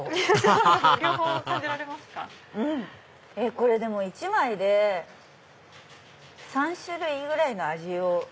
これ１枚で３種類ぐらいの味を。